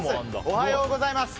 おはようございます。